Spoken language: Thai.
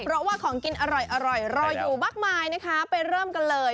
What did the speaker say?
เพราะว่าของกินอร่อยรออยู่มากมายนะคะไปเริ่มกันเลย